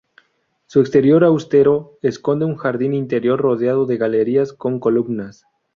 Su exterior austero esconde un jardín interior rodeado de galerías con columnas.